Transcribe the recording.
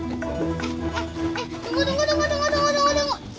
tunggu tunggu tunggu tunggu tunggu